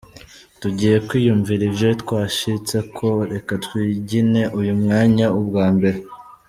"Tugiye kwiyumvira ivyo twashitseko, reka twigine uyu mwanya ubwa mbere.